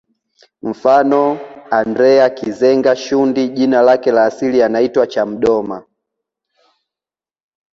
Mfano Andrea Kizenga Shundi jina lake la asili anaitwa Chamdoma